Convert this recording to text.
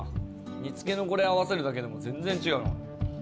煮つけのこれ合わせるだけでも全然違うな。